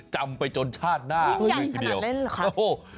จำไปจนชาติหน้านี่เป็นอย่างขนาดเล่นหรือคะ